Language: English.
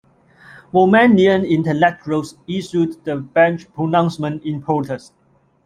Romanian intellectuals issued the Blaj Pronouncement in protest.